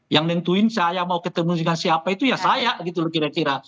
yang nentuin saya mau ketemu dengan siapa itu ya saya gitu loh kira kira